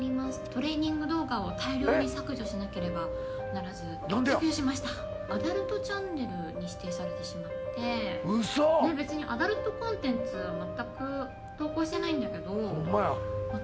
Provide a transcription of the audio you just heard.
トレーニング動画を大量に削除しなければならず削除しましたアダルトチャンネルに指定されてしまって別にアダルトコンテンツ全く投稿してないんだけどまあ